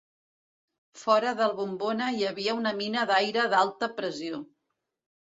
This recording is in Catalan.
Fora del bombona hi havia una mina d'aire d'alta pressió.